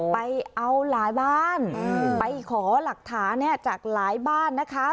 ไปเอาหลายบ้านไปขอหลักฐานเนี่ยจากหลายบ้านนะคะ